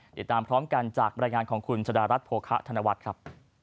ติดตามพร้อมกันจากบรรยายงานของคุณชะดารัฐโภคะธนวัฒน์ครับ